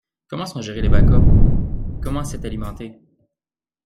Comment sont gérés les backups? Comment c’est alimenté ?